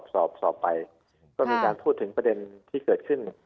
สอบไปก็มีการพูดถึงประเด็นที่เกิดขึ้น